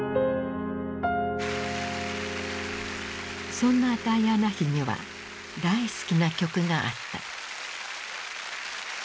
そんなダイアナ妃には大好きな曲があった。